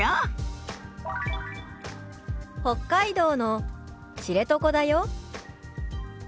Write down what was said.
「北海道の知床だよ」。